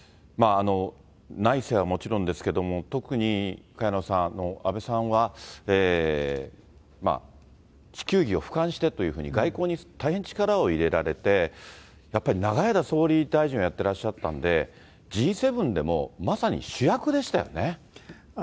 内政はもちろんですけれども、特に萱野さん、安倍さんは地球儀をふかんしてというふうに、外交に大変力を入れられて、やっぱり長い間、総理大臣をやってらっしゃったんで、Ｇ７でもまさに主役でしたよね。